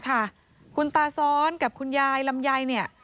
คุณตาซ้อนกับคุณยายลำยาย